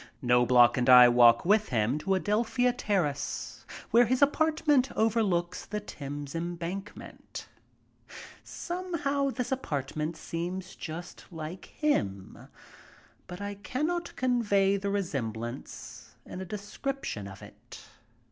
Knobloch and I walk with him to Adelphia Terrace, where his apartment overlooks the Thames Embankment. Somehow this apartment seems just like him, but I cannot convey the resemblance in a description of it.